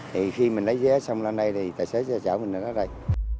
thì khi mình lấy vé xong lên đây thì tài xế sẽ chở mình đến đây